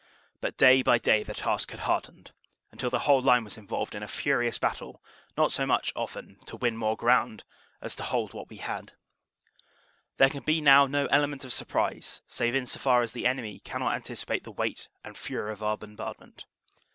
But day by day the task had hardened, until the whole line was involved OPERATIONS: SEPT. 1 3 155 in a furious battle not so much, often, to win more ground as to hold what we had. There can be now no element of sur prise, save in so far as the enemy cannot anticipate the weight and fury of our bombardment.